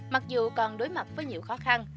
mặc dù còn đối mặt với nhiều khó khăn